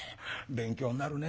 勉強になるね。